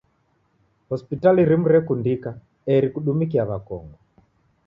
Hospitali rimu rekundika eri kudumikia w'akongo.